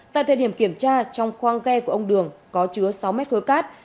tại thời điểm kiểm tra trong khoang ghe của ông đường có chứa sáu mét khối cát